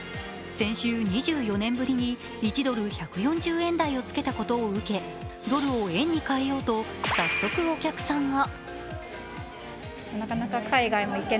先週、２４年ぶりに１ドル＝１４０円台をつけたことを受け、ドルを円に替えようと早速お客さんが。